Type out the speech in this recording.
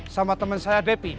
sama temen saya devi